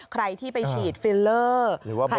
ใครที่ไปฉีดฟิลเลอร์หรือว่าโบท็อกซ์